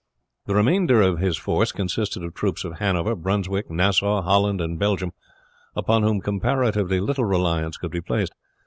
The remainder of his force consisted of troops of Hanover, Brunswick, Nassau, Holland, and Belgium, upon whom comparatively little reliance could be placed.